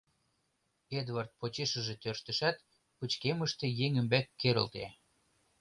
Эдвард почешыже тӧрштышат, пычкемыште еҥ ӱмбак керылте.